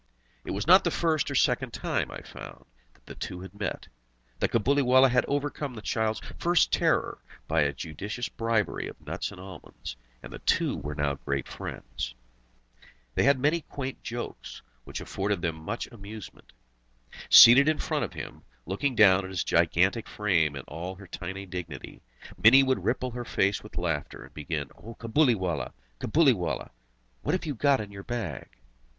It was not the first or second time, I found, that the two had met. The Cabuliwallah had overcome the child's first terror by a judicious bribery of nuts and almonds, and the two were now great friends. They had many quaint jokes, which afforded them much amusement. Seated in front of him, looking down on his gigantic frame in all her tiny dignity, Mini would ripple her face with laughter, and begin: "O Cabuliwallah, Cabuliwallah, what have you got in your bag?"